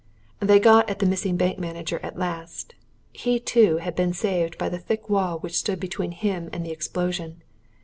They got at the missing bank manager at last he, too, had been saved by the thick wall which stood between him and the explosion.